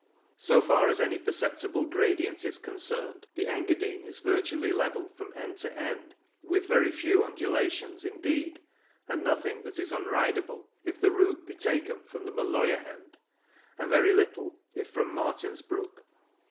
So far as any perceptible gradient is concerned the Engadine is virtudly level from end to end, with very few undula tions indeed, and nothing that is unridable if the route be taken from the Maloja end, and very little if from Martinsbruck.